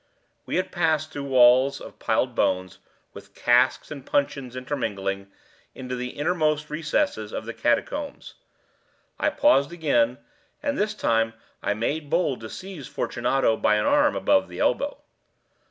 We had passed through walls of piled bones, with casks and puncheons intermingling, into the inmost recesses of the catacombs. I paused again, and this time I made bold to seize Fortunato by an arm above the elbow.